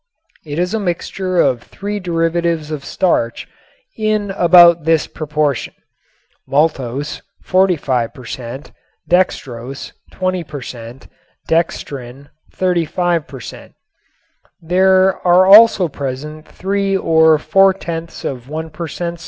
It is a mixture of three derivatives of starch in about this proportion: Maltose 45 per cent. Dextrose 20 per cent. Dextrin 35 per cent. There are also present three or four tenths of one per cent.